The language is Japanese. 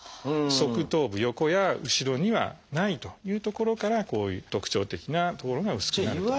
側頭部横や後ろにはないというところからこういう特徴的な所が薄くなると。